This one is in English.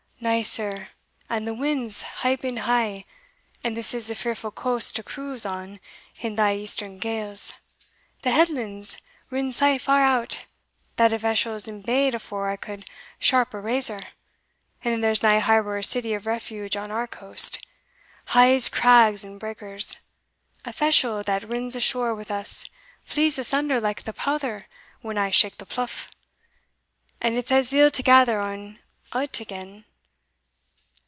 "Na, sir, and the winds hae been high, and this is a fearfu' coast to cruise on in thae eastern gales, the headlands rin sae far out, that a veshel's embayed afore I could sharp a razor; and then there's nae harbour or city of refuge on our coast a' craigs and breakers; a veshel that rins ashore wi' us flees asunder like the powther when I shake the pluff and it's as ill to gather ony o't again.